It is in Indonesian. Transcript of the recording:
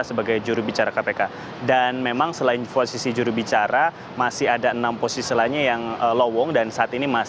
silahkan dengan laporan anda